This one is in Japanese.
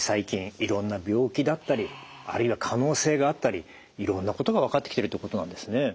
いろんな病気だったりあるいは可能性があったりいろんなことが分かってきてるっていうことなんですね。